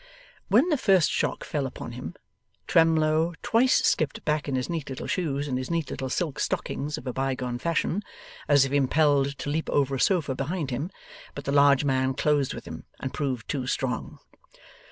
When the first shock fell upon him, Twemlow twice skipped back in his neat little shoes and his neat little silk stockings of a bygone fashion, as if impelled to leap over a sofa behind him; but the large man closed with him and proved too strong.